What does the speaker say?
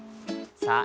さあ